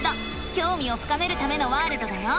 きょうみを深めるためのワールドだよ！